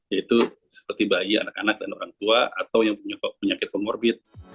yaitu seperti bayi anak anak dan orang tua atau yang punya penyakit komorbit